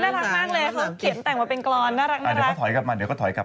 ๗๗คืออะไรเลขพี่ว่า